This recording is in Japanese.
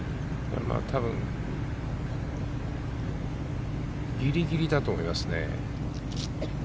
多分ギリギリだと思いますね。